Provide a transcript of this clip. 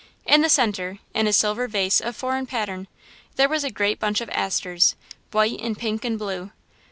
In the centre, in a silver vase of foreign pattern, there was a great bunch of asters white and pink and blue.